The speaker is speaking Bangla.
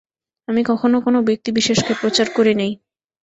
আমি কখনও কোন ব্যক্তিবিশেষকে প্রচার করি নাই।